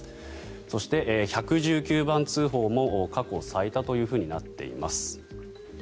そして、１１９番通報も過去最多となっています。